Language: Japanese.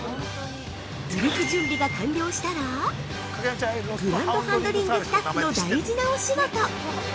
◆離陸準備が完了したらグランドハンドリングスタッフの大事なお仕事。